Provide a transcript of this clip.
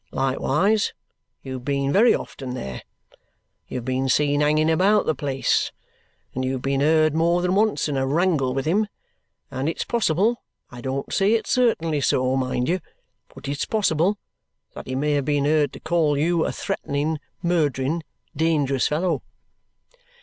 Likewise you've been very often there. You've been seen hanging about the place, and you've been heard more than once in a wrangle with him, and it's possible I don't say it's certainly so, mind you, but it's possible that he may have been heard to call you a threatening, murdering, dangerous fellow."